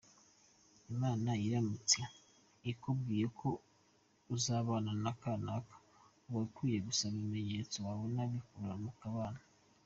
Imana iramutse ikubwiye ko uzabana na kanaka uba ukwiye gusaba ibimenyetso wabona bihura mukabana.